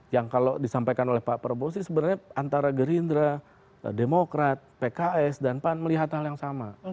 yang kalau disampaikan oleh pak prabowo sih sebenarnya antara gerindra demokrat pks dan pan melihat hal yang sama